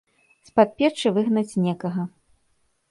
З-пад печы выгнаць некага.